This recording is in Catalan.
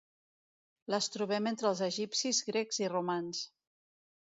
Les trobem entre els egipcis, grecs i romans.